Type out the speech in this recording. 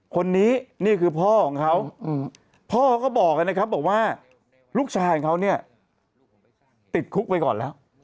คนนี้นี่คือพ่อของเขาพ่อเขาก็บอกนะครับบอกว่าลูกชายของเขาเนี่ยติดคุกไปก่อนแล้ว